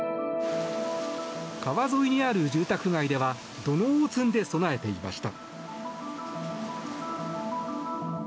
川沿いにある住宅街では土のうを積んで備えていました。